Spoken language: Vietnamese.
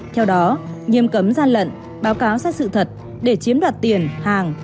theo đó nghiêm cấm gian lận báo cáo sai sự thật để chiếm đoạt tiền hàng